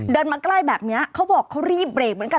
มาใกล้แบบนี้เขาบอกเขารีบเบรกเหมือนกัน